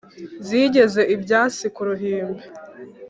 zigeze ibyansi ku ruhimbi